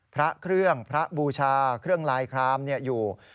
พระเครื่องพระบูชาเครื่องลายครามอยู่